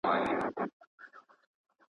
خوله یې خلاصه دواړي سترګي یې ژړاندي.